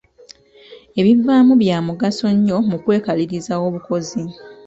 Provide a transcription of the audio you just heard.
Ebivaamu bya mugaso nnyo mu kwekaliriza obukozi.